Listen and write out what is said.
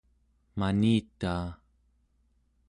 manitaa